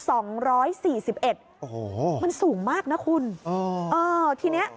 โอ้โหมันสูงมากนะคุณทีนี้